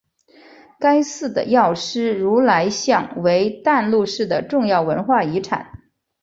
该寺的药师如来像为淡路市的重要文化财产。